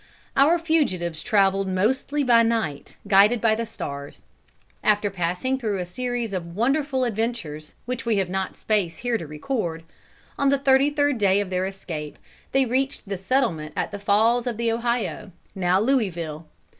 Our fugitives traveled mostly by night, guided by the stars. After passing through a series of wonderful adventures, which we have not space here to record, on the thirty third day of their escape, they reached the settlement at the Falls of the Ohio, now Louisville.